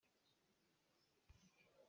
A pa nih ro tampi a roh hna.